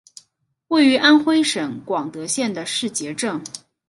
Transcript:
位于安徽省广德县的誓节镇。